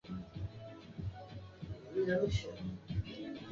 lakini ulisogezwa mbele kwa juma moja ili kukamilisha